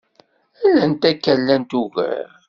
Llant akka llant ugar